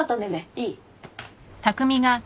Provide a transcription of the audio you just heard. いい？